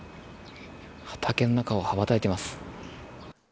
畑の中を、はばたいています。